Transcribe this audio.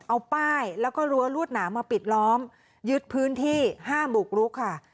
เอาป้ายแล้วก็รั้วรวดหนามมาปิดล้อมยึดพื้นที่ห้ามบุกรุกค่ะ